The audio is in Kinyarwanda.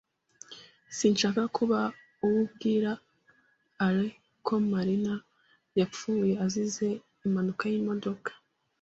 Sinshaka kuba uwo ubwira Alain ko Marina yapfuye azize impanuka y'imodoka.